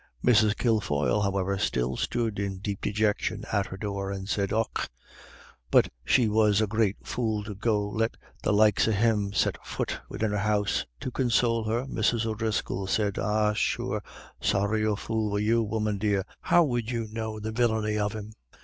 Mrs. Kilfoyle, however, still stood in deep dejection at her door, and said, "Och, but she was the great fool to go let the likes of him set fut widin' her house." To console her Mrs. O'Driscoll said, "Ah, sure, sorra a fool were you, woman dear; how would you know the villiny of him?